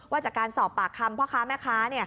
จากการสอบปากคำพ่อค้าแม่ค้า